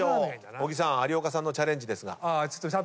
小木さん有岡さんのチャレンジですが。